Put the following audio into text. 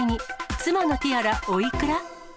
妻のティアラおいくら？